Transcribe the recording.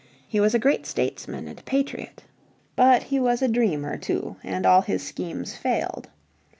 He was a great statesman and patriot. But he was a dreamer too and all his schemes failed.